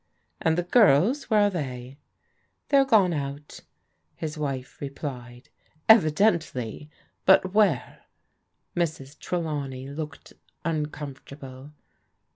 "And the girls, where are they? "They are gone out," his wife replied. " Evidently ; tut where ?" Mrs. Trelawney looked uncomfortable.